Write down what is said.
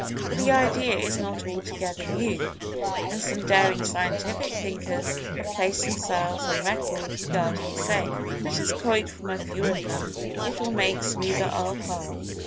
But the idea is not altogether new, and some daring Scientific thinkers have placed themselves on record regarding same. Let us quote from a few of them—it will make smoother our path.